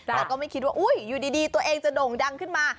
แต่ก็ไม่คิดว่าอยู่ดีตัวเองจะโด่งดังขึ้นมา